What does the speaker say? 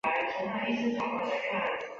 夥友步兵以马其顿方阵作战。